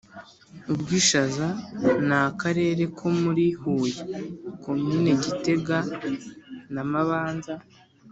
i bwishaza: ni akarere ko muri huye(komini gitega na mabanza)